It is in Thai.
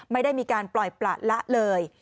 ไม่ได้มีการปล่อยประละเลย